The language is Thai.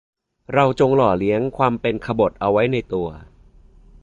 เราจงหล่อเลี้ยงความเป็นขบถเอาไว้ในตัว